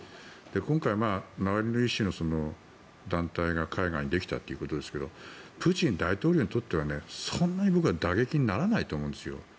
今回、ナワリヌイ氏の団体が海外にできたということですがプーチン大統領にとってはそんなに僕は打撃にならないと思うんですよ。